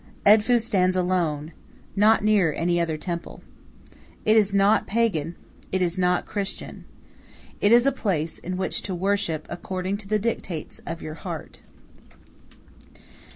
Edfu stands alone, not near any other temple. It is not pagan; it is not Christian: it is a place in which to worship according to the dictates of your heart.